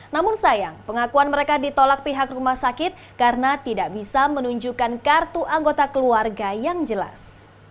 namun sayang pengakuan mereka ditolak pihak rumah sakit karena tidak bisa menunjukkan kartu anggota keluarga yang jelas